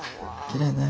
きれいね。